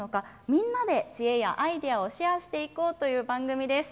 みんなで知恵やアイデアをシェアしていこうという番組です。